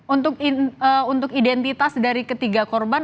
untuk identitas dari ketiga korban